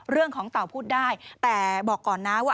เรื่องของเต่าพูดได้แต่บอกก่อนนะว่า